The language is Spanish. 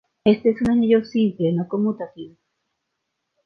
Este es un anillo simple no conmutativo.